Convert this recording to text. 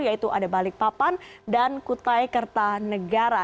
yaitu ada balikpapan dan kutai kertanegara